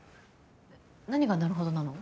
何がなるほどなの？